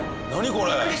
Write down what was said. これ。